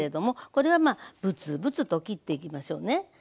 これはまあブツブツと切っていきましょうね。